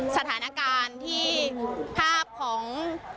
สถานการณ์ที่ภาพของ